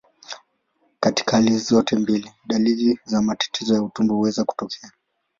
Katika hali zote mbili, dalili za matatizo ya utumbo huweza kutokea.